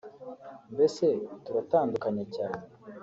mbese turatandukanye cyane